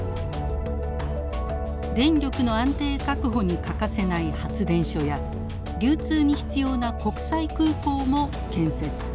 電力の安定確保に欠かせない発電所や流通に必要な国際空港も建設。